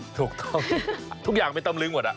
ถูกต้องทุกอย่างเป็นตำลึงหมด